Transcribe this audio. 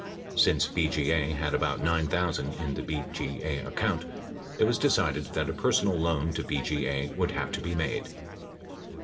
Since BGA had about $9,000 in the BGA account, it was decided that a personal loan to BGA would have to be made.